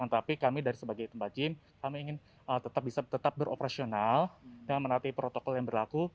tapi kami sebagai tempat gym kami ingin tetap bisa beroperasional dan menerapi protokol yang berlaku